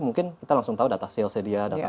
mungkin kita langsung tahu data sales ya dia data